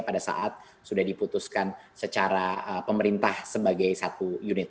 pada saat sudah diputuskan secara pemerintah sebagai satu unit